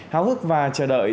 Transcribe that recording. háo hức và chờ đợi